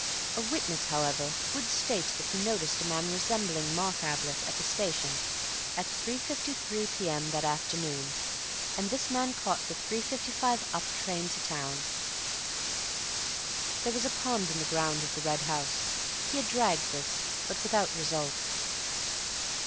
A witness, however, would state that he noticed a man resembling Mark Ablett at the station at 3.53 p.m. that afternoon, and this man caught the 3.55 up train to town. There was a pond in the grounds of the Red House. He had dragged this, but without result....